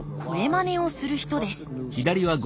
まねをする人です